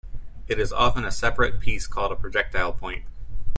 It is often a separate piece called a projectile point.